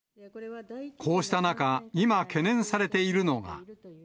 こうした中、今、懸念されているのが。